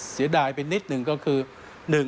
เสียดายไปนิดหนึ่งก็คือ